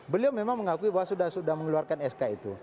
beliau memang mengakui bahwa sudah mengeluarkan sk itu